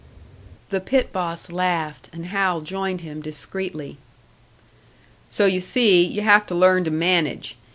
The pit boss laughed, and Hal joined him discreetly. "So you see, you have to learn to manage.